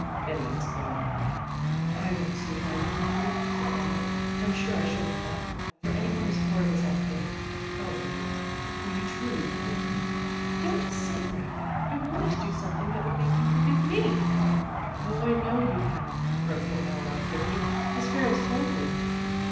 Betty explained. "I don't see why you bothered," said Eleanor. "I'm sure I shouldn't have, for any one as horrid as I've been. Oh, Betty, will you truly forgive me?" "Don't say that. I've wanted to do something that would make you forgive me." "Oh, I know you have," broke in Eleanor quickly. "Miss Ferris told me."